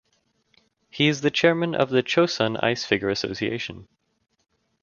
He is the chairman of the Chosun Ice Figure Association.